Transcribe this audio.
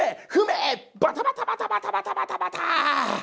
バタバタバタバタバタバタバタ！